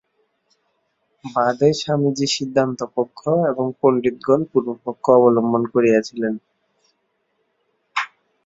বাদে স্বামীজী সিদ্ধান্তপক্ষ এবং পণ্ডিতগণ পূর্বপক্ষ অবলম্বন করিয়াছিলেন।